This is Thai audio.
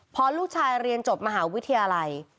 พอลูกชายเรียนจบมหาวิทยาลัย